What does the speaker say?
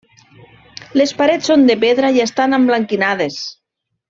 Les parets són de pedra i estan emblanquinades.